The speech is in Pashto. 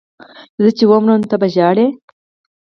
زه چې ومرم ته به ژاړې